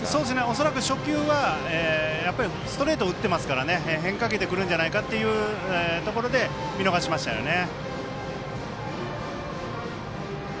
恐らく初球はストレートを打ってますから変化球でくるんじゃないかというところで見逃しましたよね。